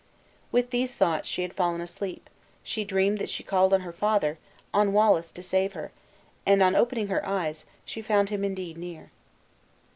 With these thoughts she had fallen asleep; she dreamed that she called on her father, on Wallace to save her, and on opening her eyes, she had found him indeed near.